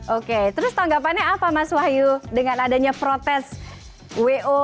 oke terus tanggapannya apa mas wahyu dengan adanya protes wo